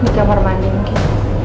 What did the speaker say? di kamar mandi mungkin